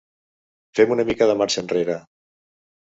Fem una mica de marxa enrere.